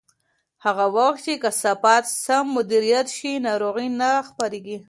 هغه وخت چې کثافات سم مدیریت شي، ناروغۍ نه خپرېږي.